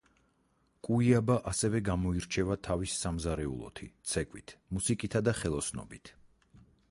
კუიაბა ასევე გამოირჩევა თავის სამზარეულოთი, ცეკვით, მუსიკითა და ხელოსნობით.